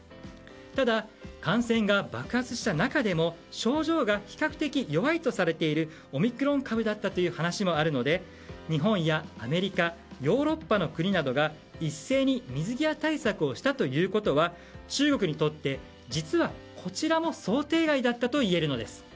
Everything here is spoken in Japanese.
ただ、感染が爆発した中でも症状が比較的弱いとされるオミクロン株だったという話もあるので日本やアメリカヨーロッパの国などが一斉に水際対策をしたということは中国にとって、実はこちらも想定外だったといえるのです。